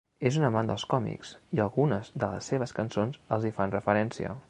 És un amant dels còmics, i algunes de les seves cançons els hi fan referència.